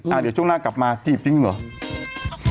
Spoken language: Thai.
เดี๋ยวช่วงหน้ากลับมาจีบจริงเหรอ